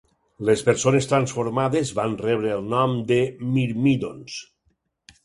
Les persones transformades van rebre el nom de Mirmídons.